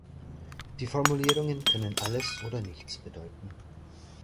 Die Formulierungen können alles oder nichts bedeuten.